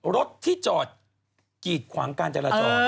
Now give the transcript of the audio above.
รถที่จอดกีดขวางการจราจร